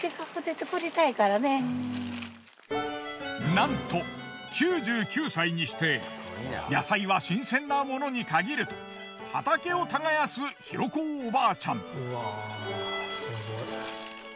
なんと９９歳にして野菜は新鮮なものにかぎると畑を耕す尋子おばあちゃん。